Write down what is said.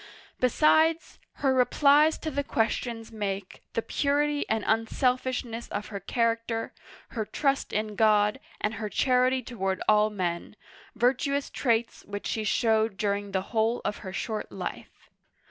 Besides, her replies to the questions make the purity and unselfishness of her character, her trust uigiTizea Dy vjiOOQlC CHARLES VII. (1422 1461) 195 in God, and her charity toward all men, — virtuous traits which she showed during the whole of her short life.